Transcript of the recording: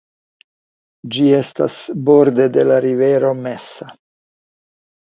Ĝi estas borde de la rivero Mesa.